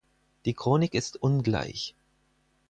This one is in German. Die Chronik ist ungleich.